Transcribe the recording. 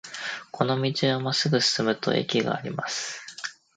この道をまっすぐ進むと駅があります。